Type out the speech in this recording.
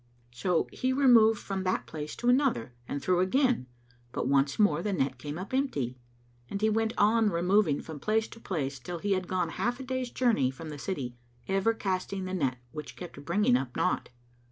So he removed from that place to another and threw again, but once more the net came up empty; and he went on removing from place to place till he had gone half a day's journey from the city, ever casting the net which kept bringing up naught.